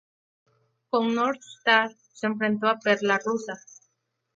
Con Northstar se enfrentó a Perla Rosa.